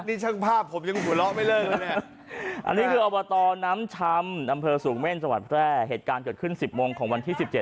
นี่ช่างภาพผมยังหัวเราะไม่เลิกนะเนี่ยอันนี้คืออบตน้ำชำอำเภอสูงเม่นจังหวัดแพร่เหตุการณ์เกิดขึ้น๑๐โมงของวันที่๑๗